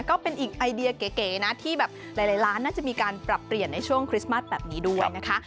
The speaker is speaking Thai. ก็เป็นอีกไอเดียเก๋นะที่แบบหลายล้านน่าจะมีการปรับเปลี่ยนในช่วงคริสต์มัสแบบนี้ด้วยนะคะ